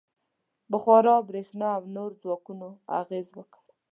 • بخار، برېښنا او نورو ځواکونو اغېز وکړ.